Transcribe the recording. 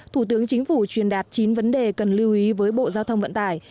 thủ tướng chính phủ truyền đạt chín vấn đề cần lưu ý với bộ giao thông vận tải